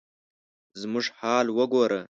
زموږ حال وګوره ؟